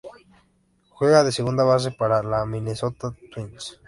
Juega de segunda base para el Minnesota Twins.